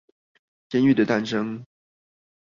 監獄的誕生